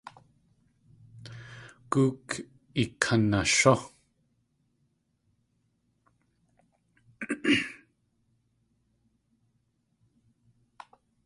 Góok ikanashú!